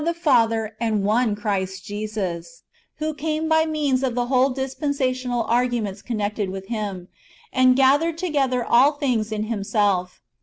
tlie Father, and one Christ Jesus, who came by means of the whole dispensational arrangements [connected with Him], and gathered together all things in Himself.